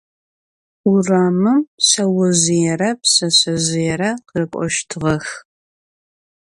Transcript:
Vuramım şseozjıêre pşseşsezjıêre khırık'oştığex.